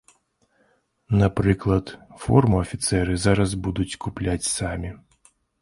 Напрыклад, форму афіцэры зараз будуць купляць самі.